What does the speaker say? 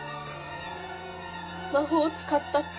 「魔法を使った」って。